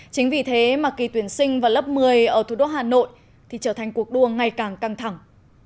chính vì thế mà kỳ tuyển sinh vào lớp một mươi ở thủ đô hà nội thì trở thành cuộc đua ngày càng căng thẳng